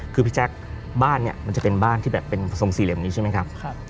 คือพี่แจ๊คบ้านเนี่ยมันจะเป็นบ้านที่แบบเป็นทรงสี่เหลี่ยมนี้ใช่ไหมครับ